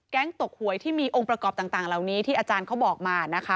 ตกหวยที่มีองค์ประกอบต่างเหล่านี้ที่อาจารย์เขาบอกมานะคะ